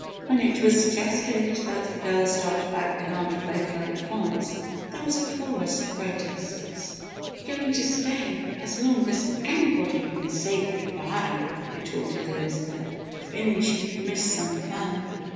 When it was suggested that the girls start back with Aunt Flo Flo at once, there was a chorus of protests. "We're going to stay as long as anybody and say good bye," retorted Elizabeth, fearing she would miss some fun.